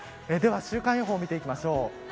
では週間予報を見ていきましょう。